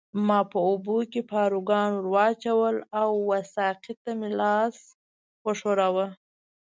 ما په اوبو کې پاروګان ورواچول او وه ساقي ته مې لاس وښوراوه.